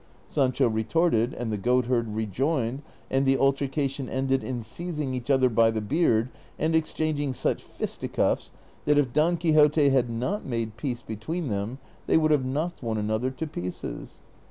Sancho retorted, and the goatherd rejoiiied, and the altercation ended in seizing each other by the beard, and exchanging such fisticuffs that if Don Quixote had not made peace between them, they would have knocked one another to pieces.